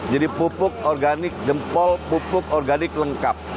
jadi pupuk organik jempol pupuk organik lengkap